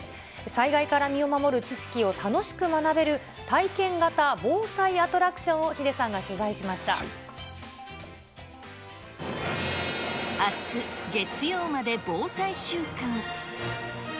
災害から身を守る知識を楽しく学べる体験型防災アトラクションをあす、月曜まで防災週間。